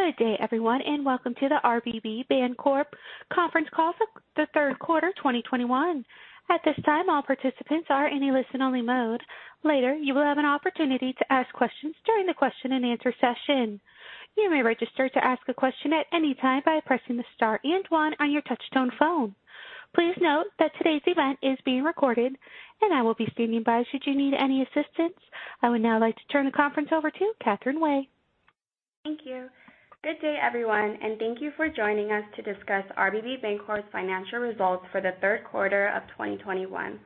Good day, everyone, and welcome to the RBB Bancorp conference call for the third quarter 2021. At this time, all participants are in a listen-only mode. Later, you will have an opportunity to ask questions during the question-and-answer session. You may register to ask a question at any time by pressing the star and one on your touchtone phone. Please note that today's event is being recorded and I will be standing by should you need any assistance. I would now like to turn the conference over to Catherine Wei. Thank you. Good day, everyone, and thank you for joining us to discuss RBB Bancorp's financial results for the third quarter of 2021.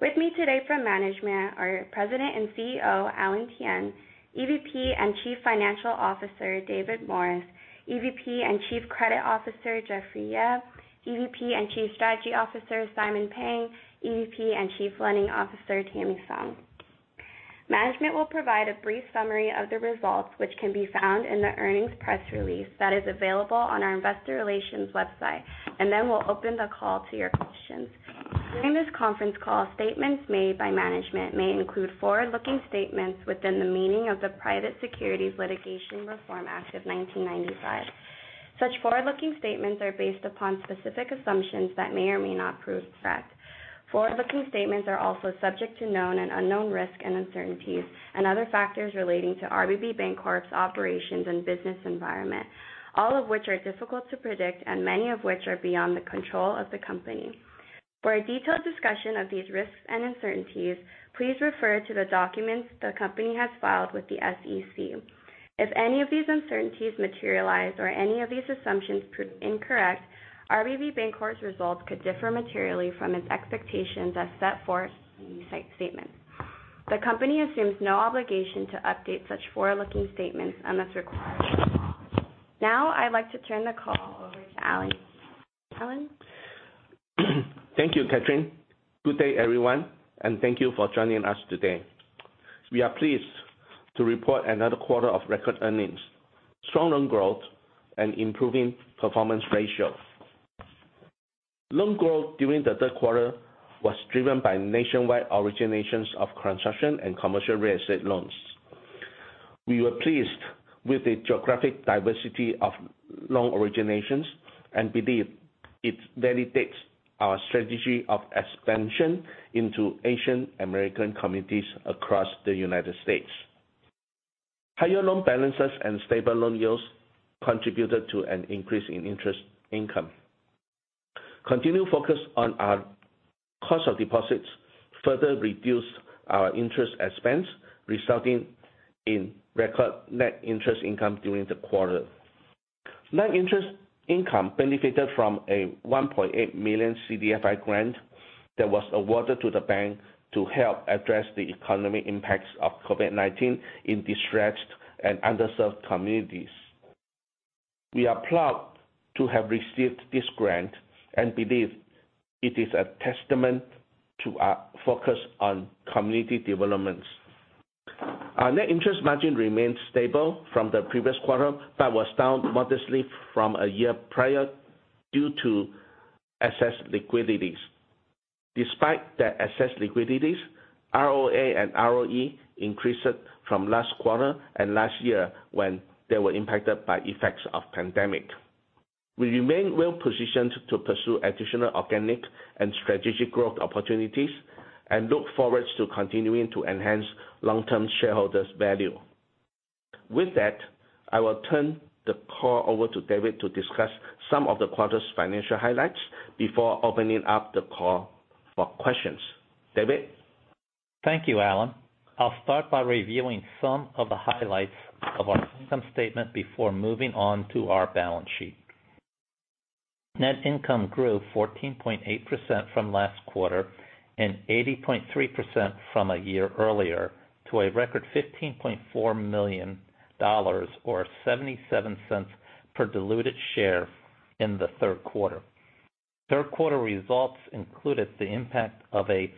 With me today from management are President and CEO, Alan Thian, EVP and Chief Financial Officer, David Morris, EVP and Chief Credit Officer, Jeffrey Yeh, EVP and Chief Strategy Officer, Simon Pang, EVP and Chief Lending Officer, Tammy Song. Management will provide a brief summary of the results, which can be found in the earnings press release that is available on our investor relations website, and then we'll open the call to your questions. During this conference call, statements made by management may include forward-looking statements within the meaning of the Private Securities Litigation Reform Act of 1995. Such forward-looking statements are based upon specific assumptions that may or may not prove fact. Forward-looking statements are also subject to known and unknown risk and uncertainties and other factors relating to RBB Bancorp's operations and business environment, all of which are difficult to predict and many of which are beyond the control of the company. For a detailed discussion of these risks and uncertainties, please refer to the documents the company has filed with the SEC. If any of these uncertainties materialize or any of these assumptions prove incorrect, RBB Bancorp's results could differ materially from its expectations as set forth in the insight statement. The company assumes no obligation to update such forward-looking statements unless required. Now, I'd like to turn the call over to Alan. Alan? Thank you, Catherine. Good day, everyone, and thank you for joining us today. We are pleased to report another quarter of record earnings, strong loan growth, and improving performance ratio. Loan growth during the third quarter was driven by nationwide originations of construction and commercial real estate loans. We were pleased with the geographic diversity of loan originations and believe it validates our strategy of expansion into Asian American communities across the United States. Higher loan balances and stable loan yields contributed to an increase in interest income. Continued focus on our cost of deposits further reduced our interest expense, resulting in record net interest income during the quarter. Net interest income benefited from a $1.8 million CDFI grant that was awarded to the bank to help address the economic impacts of COVID-19 in distressed and underserved communities. We are proud to have received this grant and believe it is a testament to our focus on community developments. Our net interest margin remained stable from the previous quarter, but was down modestly from a year prior due to excess liquidities. Despite the excess liquidities, ROA and ROE increased from last quarter and last year when they were impacted by effects of pandemic. We remain well-positioned to pursue additional organic and strategic growth opportunities and look forward to continuing to enhance long-term shareholders' value. With that, I will turn the call over to David to discuss some of the quarter's financial highlights before opening up the call for questions. David? Thank you, Alan. I'll start by reviewing some of the highlights of our income statement before moving on to our balance sheet. Net income grew 14.8% from last quarter and 80.3% from a year earlier to a record $15.4 million or $0.77 per diluted share in the third quarter. Third quarter results included the impact of a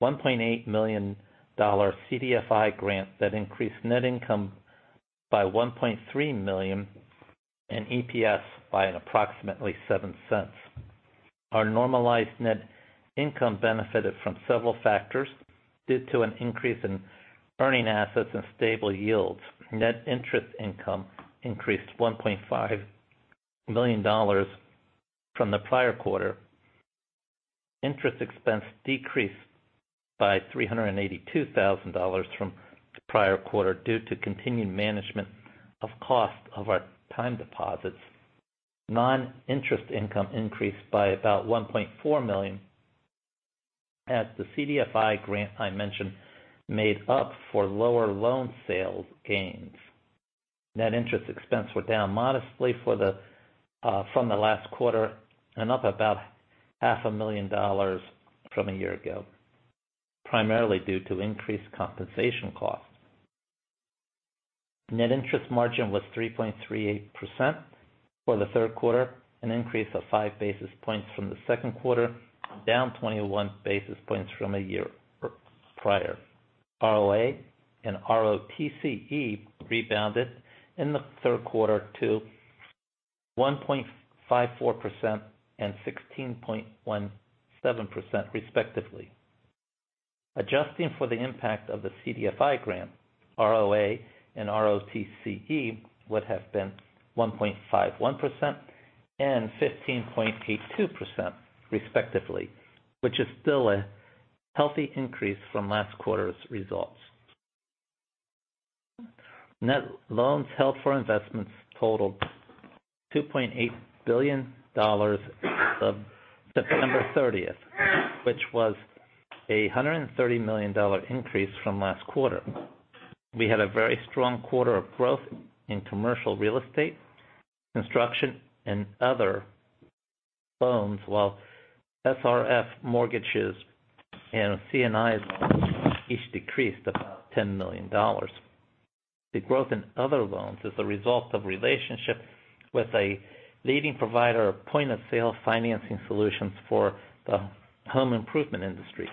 $1.8 million CDFI grant that increased net income by $1.3 million and EPS by approximately $0.07. Our normalized net income benefited from several factors due to an increase in earning assets and stable yields. Net interest income increased $1.5 million from the prior quarter. Interest expense decreased by $382,000 from the prior quarter due to continued management of cost of our time deposits. Non-interest income increased by about $1.4 million as the CDFI grant I mentioned made up for lower loan sales gains. Net interest expense were down modestly from the last quarter and up about $0.5 million from a year ago, primarily due to increased compensation costs. Net interest margin was 3.38% for the third quarter, an increase of 5 basis points from the second quarter, down 21 basis points from a year prior. ROA and ROTCE rebounded in the third quarter to 1.54% -16.17%, respectively. Adjusting for the impact of the CDFI grant, ROA and ROTCE would have been 1.51% - 15.82% respectively, which is still a healthy increase from last quarter's results. Net loans held for investment totaled $2.8 billion as of September 30th, which was a $130 million increase from last quarter. We had a very strong quarter of growth in commercial real estate, construction, and other loans, while SFR mortgages and C&I loans each decreased about $10 million. The growth in other loans is a result of relationship with a leading provider of point-of-sale financing solutions for the home improvement industry.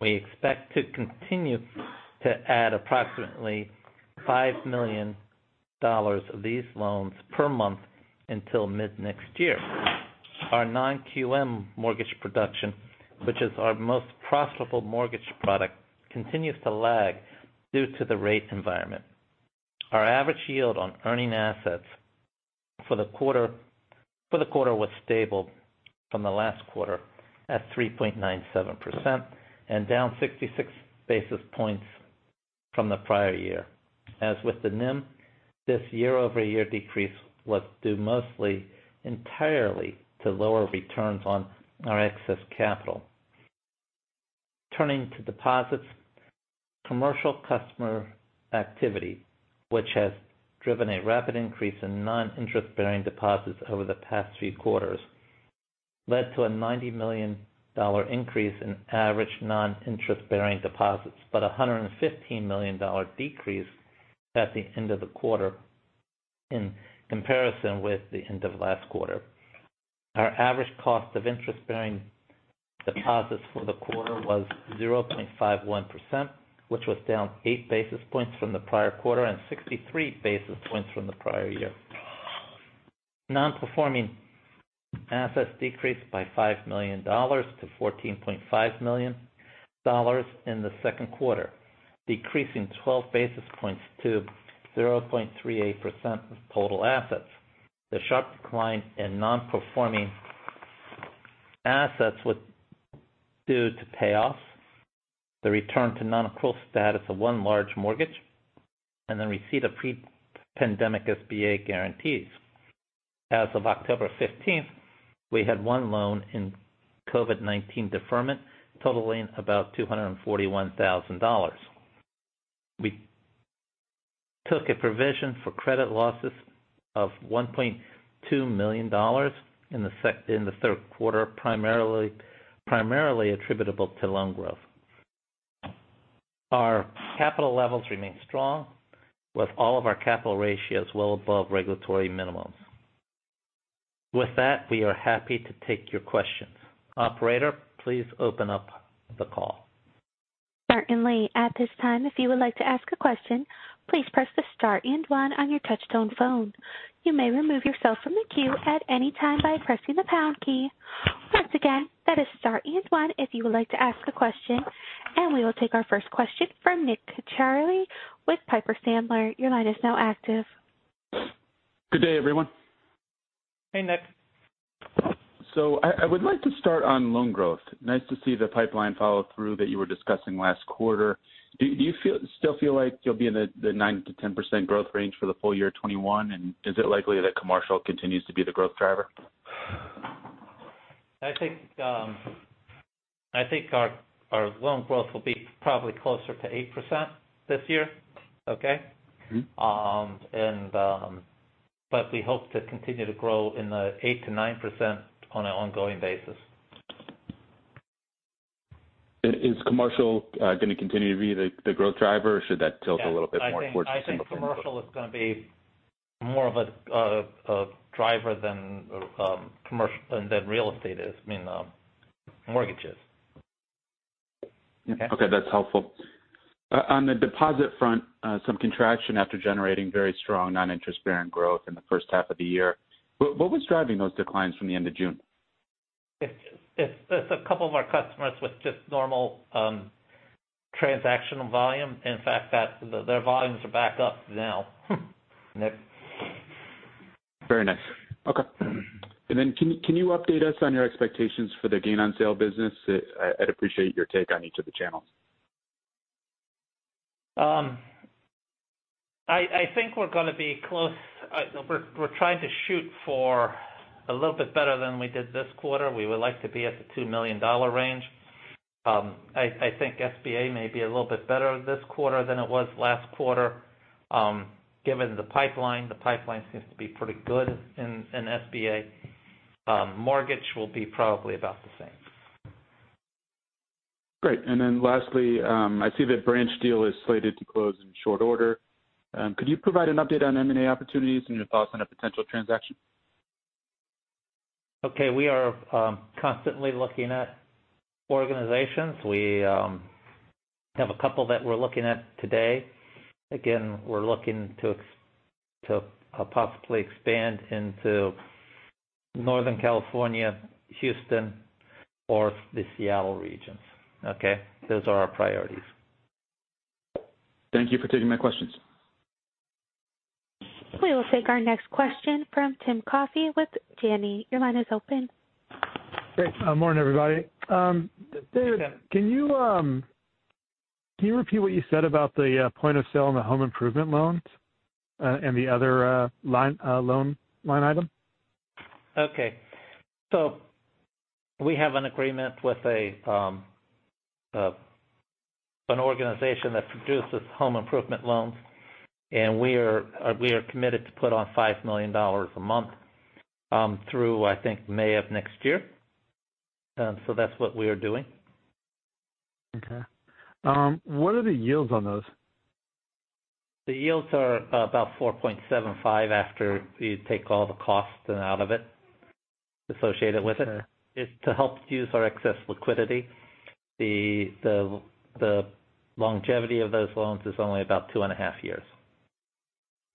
We expect to continue to add approximately $5 million of these loans per month until mid-next year. Our non-QM mortgage production, which is our most profitable mortgage product, continues to lag due to the rate environment. Our average yield on earning assets for the quarter was stable from the last quarter at 3.97% and down 66 basis points from the prior year. As with the NIM, this year-over-year decrease was due mostly entirely to lower returns on our excess capital. Turning to deposits, commercial customer activity, which has driven a rapid increase in non-interest-bearing deposits over the past few quarters, led to a $90 million increase in average non-interest-bearing deposits, but a $115 million decrease at the end of the quarter in comparison with the end of last quarter. Our average cost of interest-bearing deposits for the quarter was 0.51%, which was down 8 basis points from the prior quarter and 63 basis points from the prior year. Non-performing assets decreased by $5 million - $14.5 million in the second quarter, decreasing 12 basis points to 0.38% of total assets. The sharp decline in non-performing assets was due to payoffs, the return to non-accrual status of one large mortgage, and the receipt of pre-pandemic SBA guarantees. As of October 15th, we had one loan in COVID-19 deferment, totaling about $241,000. We took a provision for credit losses of $1.2 million in the third quarter, primarily attributable to loan growth. Our capital levels remain strong, with all of our capital ratios well above regulatory minimums. With that, we are happy to take your questions. Operator, please open up the call. Certainly. At this time, if you would like to ask a question, please press the star and one on your touch-tone phone. You may remove yourself from the queue at any time by pressing the pound key. Once again, that is star and one if you would like to ask a question. We will take our first question from Nick Cecchi with Piper Sandler. Your line is now active. Good day, everyone. Hey, Nick. I would like to start on loan growth. Nice to see the pipeline follow through that you were discussing last quarter. Do you still feel like you'll be in the 9%-10% growth range for the full year 2021? And is it likely that commercial continues to be the growth driver? I think our loan growth will be probably closer to 8% this year. Okay? We hope to continue to grow in the 8%-9% on an ongoing basis. Is commercial gonna continue to be the growth driver, or should that tilt a little bit more towards- Yeah. -some of the I think commercial is gonna be more of a driver than real estate is. I mean, mortgages. Okay? Okay, that's helpful. On the deposit front, some contraction after generating very strong non-interest bearing growth in the first half of the year. What was driving those declines from the end of June? It's a couple of our customers with just normal transactional volume. In fact, their volumes are back up now. Hmm. Nick. Very nice. Okay. Can you update us on your expectations for the gain on sale business? I'd appreciate your take on each of the channels. I think we're gonna be close. We're trying to shoot for a little bit better than we did this quarter. We would like to be at the $2 million range. I think SBA may be a little bit better this quarter than it was last quarter, given the pipeline. The pipeline seems to be pretty good in SBA. Mortgage will be probably about the same. Great. Lastly, I see that Branch deal is slated to close in short order. Could you provide an update on M&A opportunities and your thoughts on a potential transaction? Okay, we are constantly looking at organizations. We have a couple that we're looking at today. Again, we're looking to possibly expand into Northern California, Houston, or the Seattle regions. Okay? Those are our priorities. Thank you for taking my questions. We will take our next question from Timothy Coffey with Janney Montgomery Scott. Your line is open. Good morning, everybody. David, can you repeat what you said about the point of sale and the home improvement loans and the other loan line item? Okay. We have an agreement with an organization that produces home improvement loans, and we are committed to put on $5 million a month through, I think, May of next year. That's what we are doing. Okay. What are the yields on those? The yields are about 4.75% after you take all the costs out of it associated with it. Sure. It's to help use our excess liquidity. The longevity of those loans is only about two and a half years.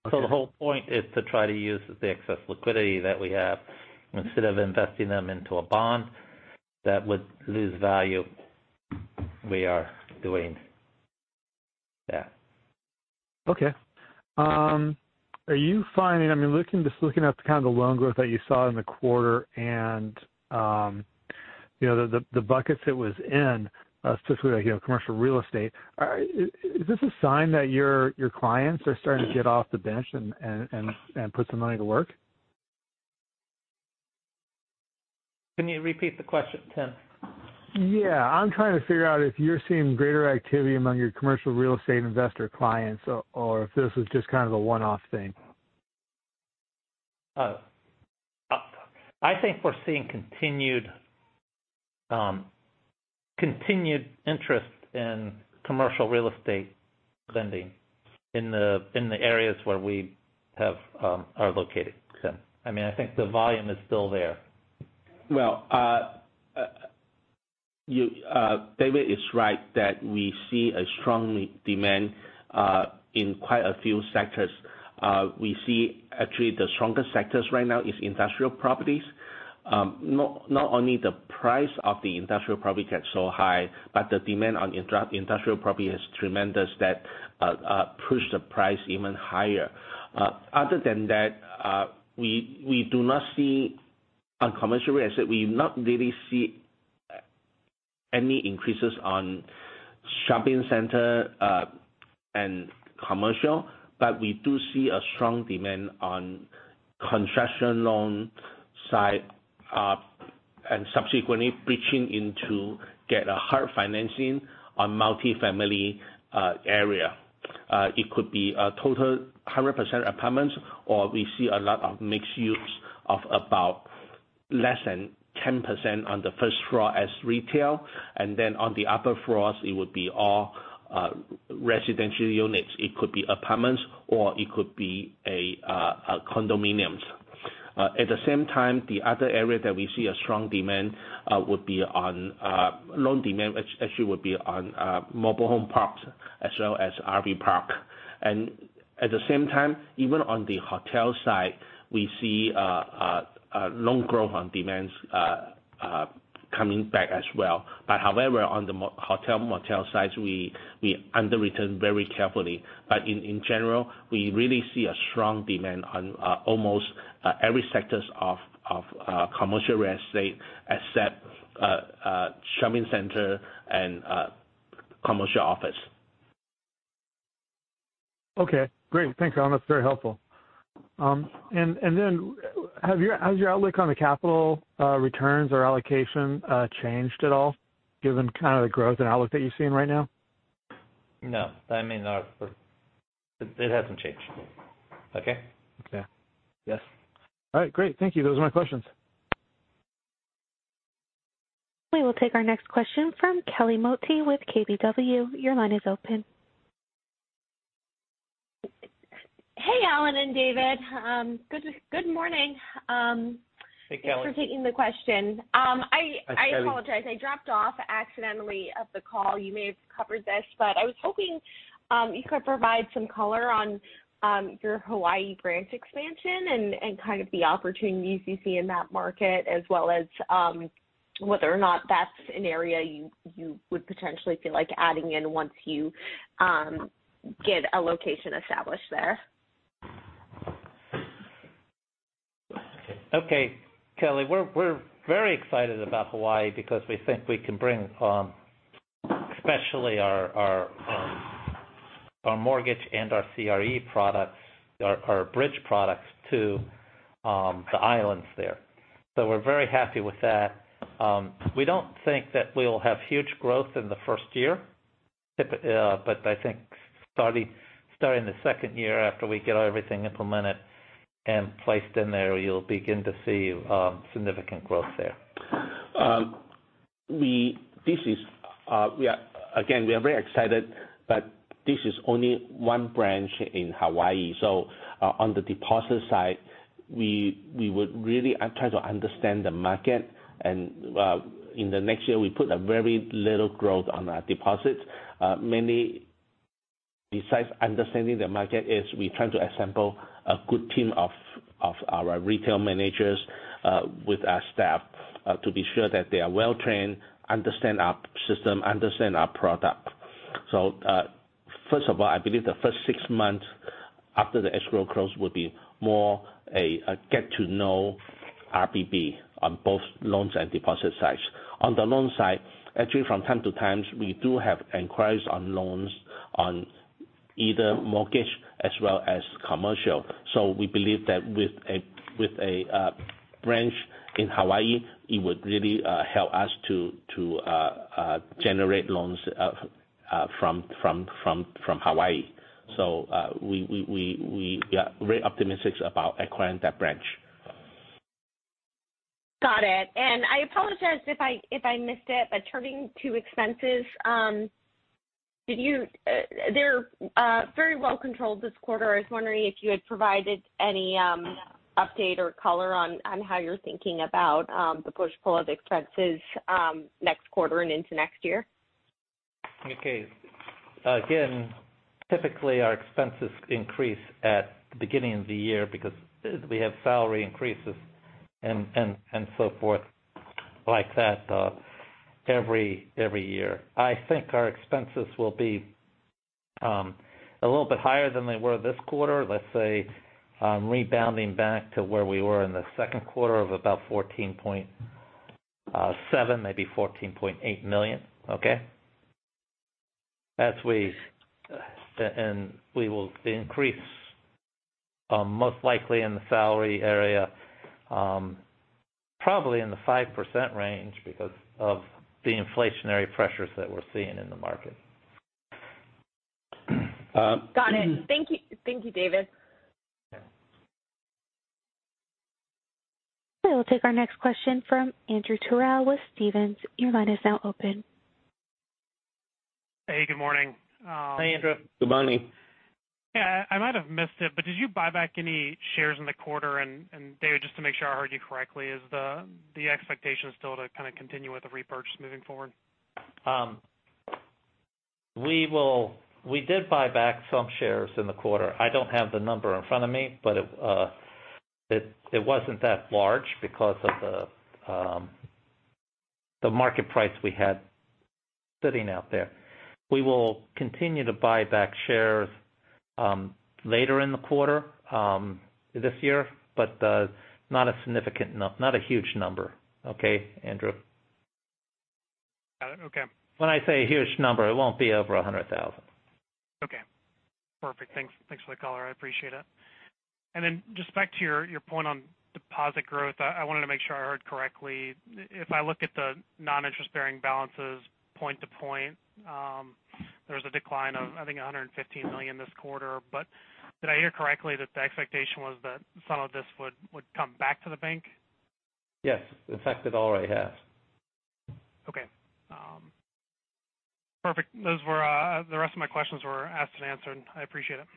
Okay. The whole point is to try to use the excess liquidity that we have. Instead of investing them into a bond that would lose value, we are doing that. Okay. Are you—I mean, looking, just looking at the kind of loan growth that you saw in the quarter and, you know, the buckets it was in, specifically like, you know, commercial real estate, is this a sign that your clients are starting to get off the bench and put some money to work? Can you repeat the question, Timothy? Yeah. I'm trying to figure out if you're seeing greater activity among your commercial real estate investor clients or if this is just kind of a one-off thing. I think we're seeing continued interest in commercial real estate lending in the areas where we are located, Timothy. I mean, I think the volume is still there. Well, David is right that we see a strong demand in quite a few sectors. We see actually the strongest sectors right now is industrial properties. Not only the price of the industrial property gets so high, but the demand on industrial property is tremendous that push the price even higher. Other than that, we do not see on commercial real estate, we not really see any increases on shopping center and commercial, but we do see a strong demand on construction loan side, and subsequently breaching into get a hard financing on multifamily area. It could be a total 100% apartments, or we see a lot of mixed use of about less than 10% on the first floor as retail, and then on the upper floors it would be all residential units. It could be apartments, or it could be a condominiums. At the same time, the other area that we see a strong demand would be on loan demand, which actually would be on mobile home parks as well as RV park. At the same time, even on the hotel side, we see loan growth and demand coming back as well. However, on the hotel/motel sides, we underwritten very carefully. In general, we really see a strong demand on almost every sectors of commercial real estate except shopping center and commercial office. Okay, great. Thanks, Alan. That's very helpful. Has your outlook on the capital returns or allocation changed at all given kind of the growth and outlook that you're seeing right now? No. I mean, it hasn't changed. Okay? Okay. Yes. All right. Great. Thank you. Those are my questions. We will take our next question from Kelly Motta with KBW. Your line is open. Hey, Alan and David. Good morning. Hey, Kelly. Thanks for taking the question. Hi, Kelly. I apologize, I dropped off accidentally from the call. You may have covered this, but I was hoping you could provide some color on your Hawaii branch expansion and kind of the opportunities you see in that market, as well as whether or not that's an area you would potentially feel like adding in once you get a location established there. Okay. Kelly, we're very excited about Hawaii because we think we can bring especially our mortgage and our CRE products, our bridge products to the islands there. We're very happy with that. We don't think that we'll have huge growth in the first year. I think starting the second year after we get everything implemented and placed in there, you'll begin to see significant growth there. We are very excited, but this is only one branch in Hawaii. On the deposit side, we would really try to understand the market. In the next year, we put a very little growth on our deposits. Mainly, besides understanding the market, we try to assemble a good team of our retail managers with our staff to be sure that they are well-trained, understand our system, understand our product. First of all, I believe the first six months after the escrow close will be more a get to know RBB on both loans and deposit sides. On the loan side, actually from time to time, we do have inquiries on loans on either mortgage as well as commercial. We believe that with a branch in Hawaii, it would really help us to generate loans from Hawaii. Yeah, very optimistic about acquiring that branch. Got it. I apologize if I missed it, but turning to expenses, they're very well controlled this quarter. I was wondering if you had provided any update or color on how you're thinking about the push-pull of expenses next quarter and into next year. Okay. Again, typically our expenses increase at the beginning of the year because we have salary increases and so forth like that, every year. I think our expenses will be a little bit higher than they were this quarter, let's say, rebounding back to where we were in the second quarter of about $14.7- $14.8 million. We will increase most likely in the salary area, probably in the 5% range because of the inflationary pressures that we're seeing in the market. Got it. Thank you, thank you, David. We'll take our next question from Andrew Terrell with Stephens. Your line is now open. Hey, good morning. Hi, Andrew. Good morning. Yeah. I might have missed it, but did you buy back any shares in the quarter? David, just to make sure I heard you correctly, is the expectation still to kinda continue with the repurchase moving forward? We did buy back some shares in the quarter. I don't have the number in front of me, but it wasn't that large because of the market price we had sitting out there. We will continue to buy back shares later in the quarter this year, but not a significant enough, not a huge number. Okay, Andrew? Got it. Okay. When I say a huge number, it won't be over 100,000. Okay. Perfect. Thanks for the color. I appreciate it. Just back to your point on deposit growth. I wanted to make sure I heard correctly. If I look at the non-interest bearing balances point to point, there's a decline of, I think, $150 million this quarter. Did I hear correctly that the expectation was that some of this would come back to the bank? Yes. In fact, it already has. Okay. Perfect. Those were the rest of my questions were asked and answered. I appreciate it.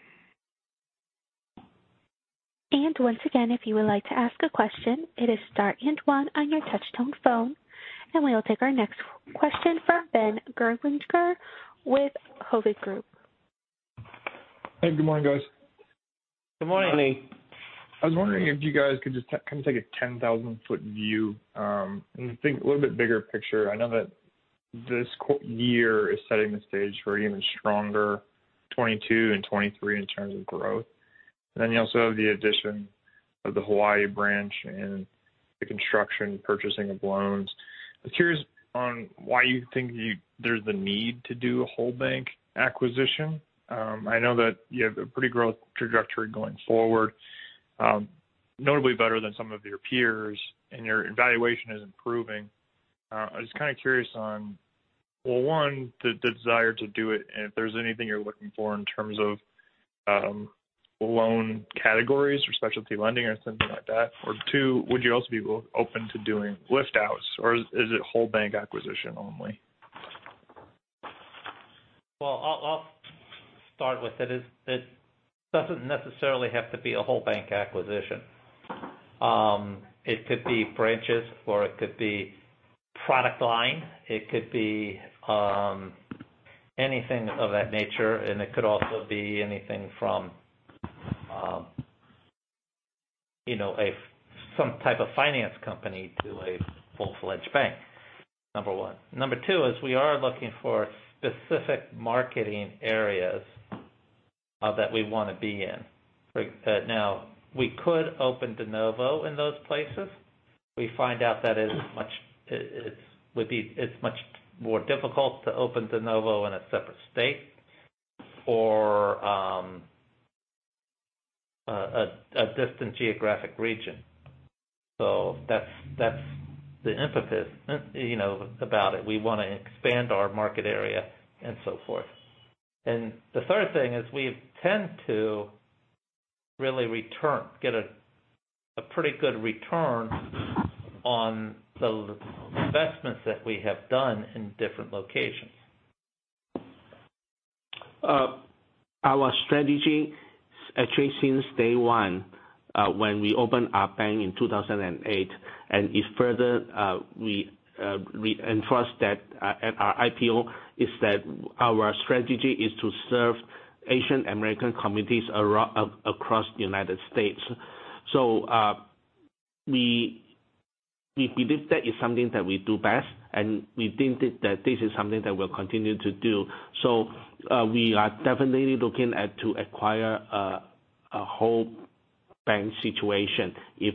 Once again, if you would like to ask a question, it is star and one on your touch tone phone. We will take our next question from Brendan Nosal with Hovde Group. Hey, good morning, guys. Good morning. Good morning. I was wondering if you guys could just kind of take a 10,000-foot view and think a little bit bigger picture. I know that this year is setting the stage for an even stronger 2022 - 2023 in terms of growth. You also have the addition of the Hawaii branch and the purchase of construction loans. I'm curious on why you think there's the need to do a whole bank acquisition. I know that you have a pretty growth trajectory going forward, notably better than some of your peers, and your valuation is improving. I'm just kind of curious on, well, one, the desire to do it and if there's anything you're looking for in terms of loan categories or specialty lending or something like that. Two, would you also be open to doing lift outs or is it whole bank acquisition only? Well, I'll start with it. It doesn't necessarily have to be a whole bank acquisition. It could be branches or it could be product line, it could be anything of that nature. It could also be anything from you know, some type of finance company to a full-fledged bank, number one. Number two is we are looking for specific marketing areas that we wanna be in. Now, we could open de novo in those places. We find out that it is much more difficult to open de novo in a separate state or a distant geographic region. That's the impetus, you know, about it. We wanna expand our market area and so forth. The third thing is we tend to really get a pretty good return on the investments that we have done in different locations. Our strategy. Actually, since day one, when we opened our bank in 2008, and it further we entrenched that at our IPO, our strategy is to serve Asian American communities across the United States. We believe that is something that we do best, and we think that this is something that we'll continue to do. We are definitely looking to acquire a whole bank situation if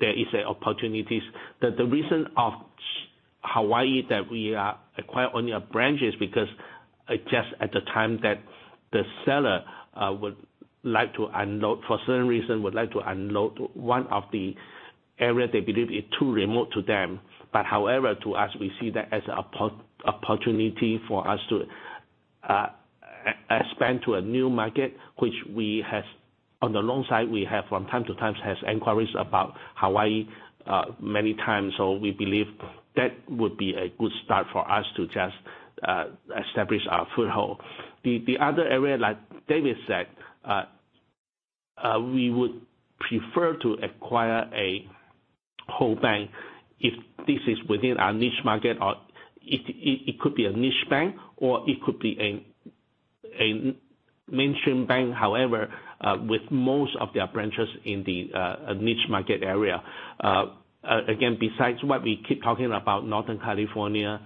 there are opportunities. The reason for Hawaii that we acquired only our branches, because at the time that the seller would like to unload for certain reason one of the area they believe is too remote to them. However, to us, we see that as an opportunity for us to expand to a new market, which we have. On the loan side, we have from time to time has inquiries about Hawaii, many times. So we believe that would be a good start for us to just establish our foothold. The other area, like David said, we would prefer to acquire a whole bank if this is within our niche market or it could be a niche bank, or it could be a mainstream bank, however, with most of their branches in the niche market area. Again, besides what we keep talking about Northern California,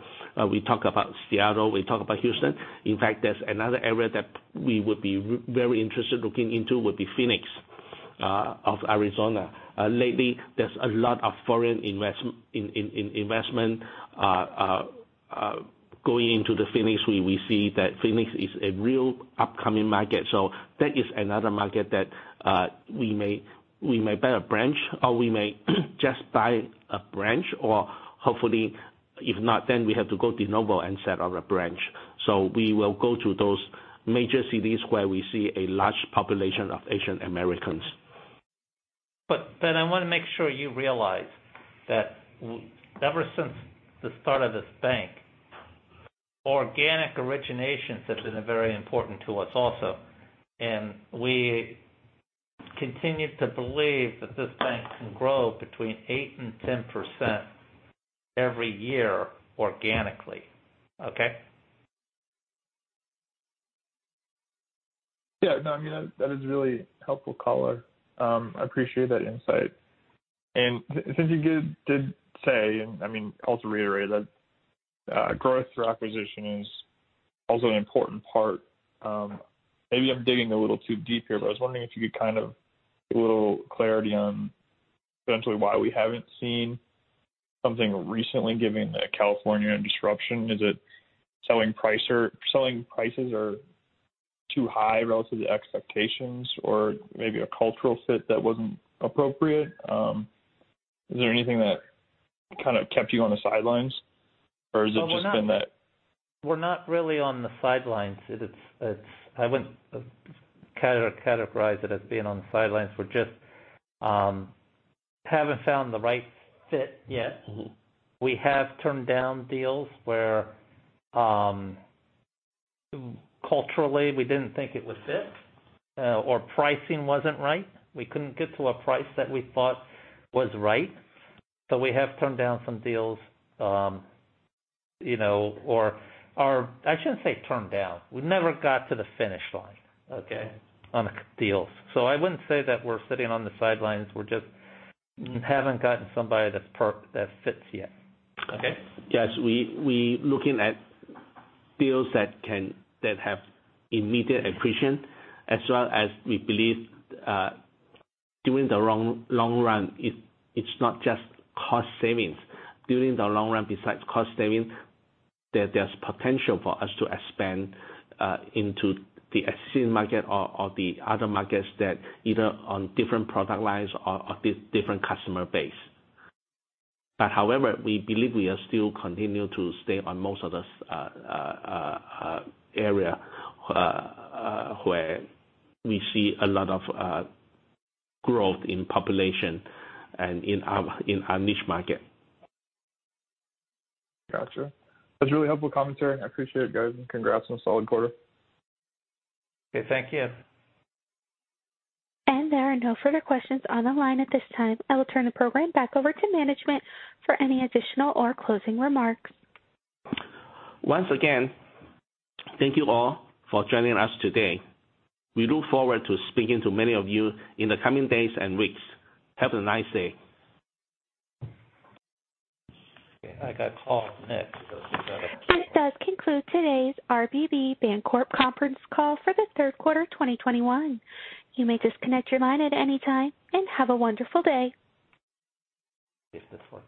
we talk about Seattle, we talk about Houston. In fact, there's another area that we would be very interested looking into would be Phoenix, of Arizona. Lately there's a lot of foreign investment going into the Phoenix. We see that Phoenix is a real upcoming market. That is another market that we may buy a branch or hopefully if not, then we have to go de novo and set up a branch. We will go to those major cities where we see a large population of Asian Americans. Ben, I wanna make sure you realize that ever since the start of this bank, organic originations have been very important to us also. We continue to believe that this bank can grow between 8% and 10% every year organically. Okay? Yeah. No, I mean, that is really helpful color. I appreciate that insight. Since you did say, and I mean, also reiterate that, growth through acquisition is also an important part. Maybe I'm digging a little too deep here, but I was wondering if you could kind of give a little clarity on potentially why we haven't seen something recently given the California disruption. Is it selling prices are too high relative to expectations or maybe a cultural fit that wasn't appropriate? Is there anything that kind of kept you on the sidelines, or is it just been that- We're not really on the sidelines. It's. I wouldn't categorize it as being on the sidelines. We're just haven't found the right fit yet. We have turned down deals where culturally we didn't think it would fit or pricing wasn't right. We couldn't get to a price that we thought was right. We have turned down some deals you know. I shouldn't say turned down. We never got to the finish line okay on deals. I wouldn't say that we're sitting on the sidelines. We're just haven't gotten somebody that's that fits yet. Okay? Yes. We looking at deals that have immediate accretion, as well as we believe, during the long run, it's not just cost savings. During the long run besides cost savings, there's potential for us to expand into the existing market or the other markets that either on different product lines or different customer base. However, we believe we are still continue to stay on most of this area, where we see a lot of growth in population and in our niche market. Gotcha. That's really helpful commentary. I appreciate it, guys. Congrats on a solid quarter. Okay, thank you. There are no further questions on the line at this time. I will turn the program back over to management for any additional or closing remarks. Once again, thank you all for joining us today. We look forward to speaking to many of you in the coming days and weeks. Have a nice day. Okay, I got calls next. This does conclude today's RBB Bancorp conference call for the third quarter 2021. You may disconnect your line at any time, and have a wonderful day. Is this one?